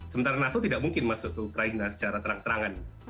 sementara nato tidak mungkin masuk ke ukraina secara terang terangan